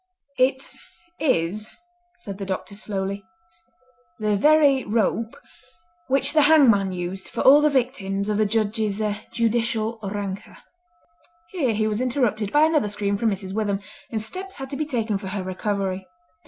"It is," said the Doctor slowly, "the very rope which the hangman used for all the victims of the Judge's judicial rancour!" Here he was interrupted by another scream from Mrs. Witham, and steps had to be taken for her recovery.